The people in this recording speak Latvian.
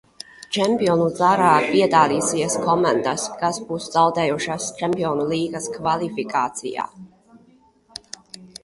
Čempionu zarā piedalīsies komandas, kas būs zaudējušas Čempionu līgas kvalifikācijā.